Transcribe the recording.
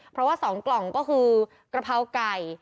เพราะว่า๒กล่องก็คือกะเพราไก่